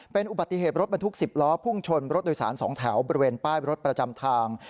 เป็นอุบัติเหตุรถบรรทุก๑๐ล้อพุ่งชนรถโดยสาร๒แถวบริเวณป้ายรถประจำทาง